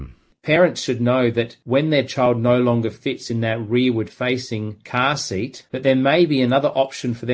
biar anak anak tahu bahwa ketika anak mereka tidak lagi terpapar di kursi mobil yang berpengaruh